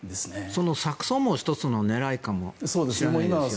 その錯綜も１つの狙いかもしれませんよね。